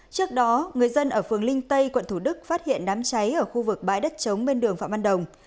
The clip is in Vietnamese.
trước đó người dân ở phường linh tây quận thủ đức phát hiện đám cháy ở khu vực bãi đất chống bên đường phạm văn đồng